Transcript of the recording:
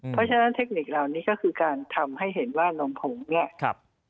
เพราะฉะนั้นเทคนิคเหล่านี้ก็คือการทำให้เห็นว่านมผงเนี่ย